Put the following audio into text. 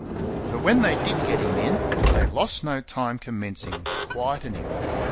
But, when they did get him in, they lost no time commencing to quieten him.